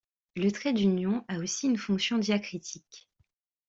Le trait d'union a aussi une fonction diacritique.